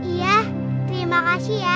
iya terima kasih ya